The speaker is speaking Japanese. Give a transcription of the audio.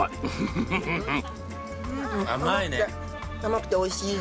甘くておいしい。